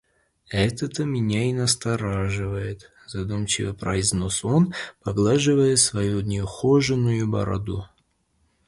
«Это-то меня и настораживает», — задумчиво произнес он, поглаживая свою неухоженную бороду.